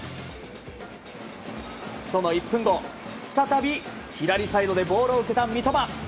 その１分後、再び左サイドでボールを受けた三笘。